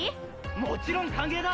もちろん歓迎だ！